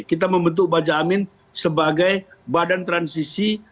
kita membentuk baja amin sebagai badan transisi